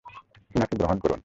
উনাকে গ্রহণ করুন!